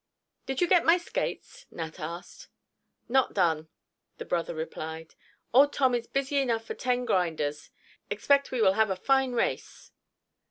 "Did you get my skates?" Nat asked. "Not done," the brother replied. "Old Tom is busy enough for ten grinders. Expect we will have a fine race."